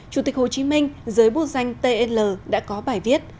chủ tịch hồ chí minh dưới bộ danh tl đã có bài viết